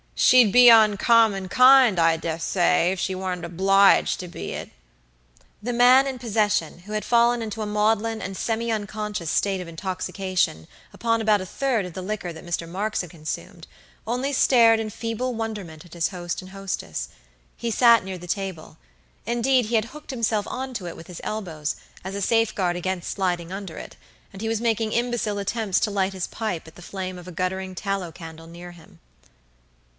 She'd be oncommon kind, I dessay, if she warn't obligated to be it." The man in possession, who had fallen into a maudlin and semi unconscious state of intoxication upon about a third of the liquor that Mr. Marks had consumed, only stared in feeble wonderment at his host and hostess. He sat near the table. Indeed, he had hooked himself on to it with his elbows, as a safeguard against sliding under it, and he was making imbecile attempts to light his pipe at the flame of a guttering tallow candle near him.